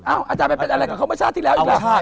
อาจารย์ไปเป็นอะไรกับเขาเมื่อชาติที่แล้วอีกล่ะ